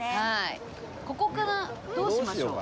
ここからどうしましょう？